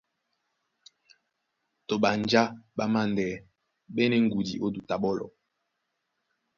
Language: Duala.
Tɔ ɓanjá ɓá māndɛɛ́ ɓɛ́nɛ ŋgudi ó duta ɓɔ́lɔ,